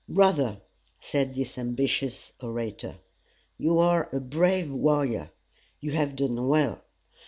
"Brother," said this ambitious orator, "you are a brave warrior. You have done well.